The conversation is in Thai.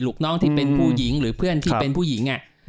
ลูกน้องที่เป็นผู้หญิงหรือเพื่อนที่เป็นผู้หญิง